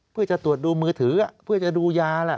เพื่อจะตรวจดูมือถือเพื่อจะดูยาแหละ